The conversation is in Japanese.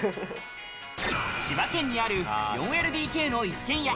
千葉県にある４ＬＤＫの一軒家。